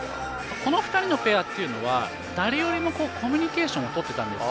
この２人のペアというのは誰よりもコミュニケーションをとっていたんですよ。